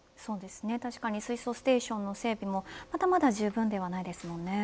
確かに水素ステーションの整備もまだまだじゅうぶんではないですもんね。